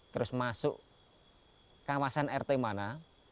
terus masuk kawasan rt mana